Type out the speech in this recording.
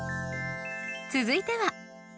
続いては。